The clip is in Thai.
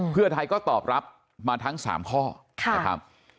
เพื่อไทยก็ตอบรับมาทั้ง๓ข้อนะครับ